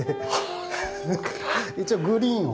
一応グリーンを。